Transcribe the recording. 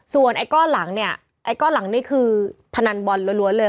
ส่วนไอ้ก้อนหลังเนี่ยไอ้ก้อนหลังนี่คือพนันบอลล้วนเลย